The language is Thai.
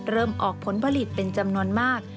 ออกผลผลิตเป็นจำนวนมาก